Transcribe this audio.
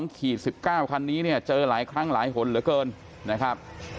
ขีด๑๙คันนี้เนี่ยเจอหลายครั้งหลายหนเหลือเกินนะครับ